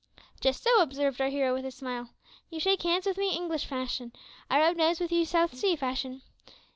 "Just so," observed our hero with a smile, "you shake hands with me English fashion I rub noses with you South Sea fashion.